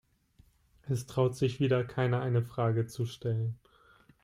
Es traut sich wieder keiner, eine Frage zu stellen.